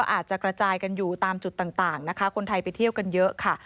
อาจจะกระจายกันอยู่ตามจุดต่างนะคะคนไทยไปเที่ยวกันเยอะค่ะ